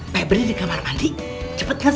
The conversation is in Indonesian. peberi di kamar mandi cepet nge spray